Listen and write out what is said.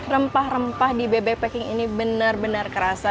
rempah rempah di bebek packing ini benar benar kerasa